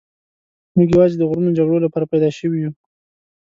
موږ یوازې د غرونو جګړو لپاره پیدا شوي یو.